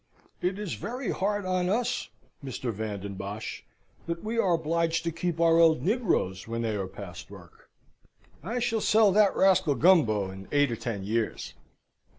It is very hard on us, Mr. Van den Bosch, that we are obliged to keep our old negroes when they are past work. I shall sell that rascal Gumbo in eight or ten years."